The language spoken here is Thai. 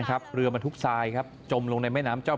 จมแล้ววะอ้าวจมแล้วจมเลยอ่ะ